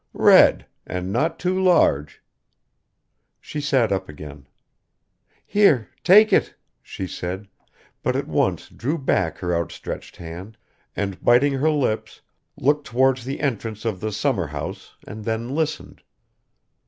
"Red, and not too large." She sat up again. "Here, take it," she said, but at once drew back her outstretched hand, and biting her lips, looked towards the entrance of the summerhouse and then listened.